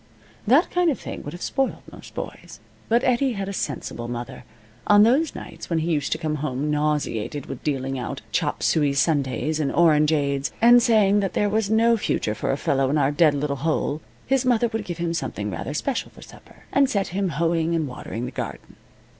That kind of thing would have spoiled most boys. But Eddie had a sensible mother. On those nights when he used to come home nauseated with dealing out chop suey sundaes and orangeades, and saying that there was no future for a fellow in our dead little hole, his mother would give him something rather special for supper, and set him hoeing and watering the garden.